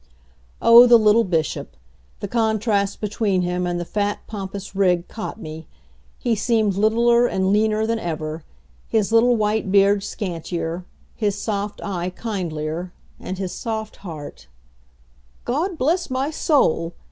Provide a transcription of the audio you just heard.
Oh, the little Bishop the contrast between him and the fat, pompous rig caught me! He seemed littler and leaner than ever, his little white beard scantier, his soft eye kindlier and his soft heart {?} "God bless my soul!"